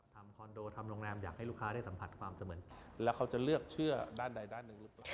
คอนโดทำโรงแรมอยากให้ลูกค้าได้สัมผัสความเสมือนแล้วเขาจะเลือกเชื่อด้านใดด้านหนึ่งหรือเปล่า